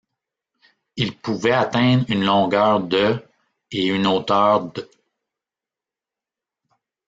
Il pouvait atteindre une longueur de et une hauteur d'.